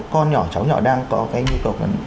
con nhỏ cháu nhỏ đang có cái nhu cầu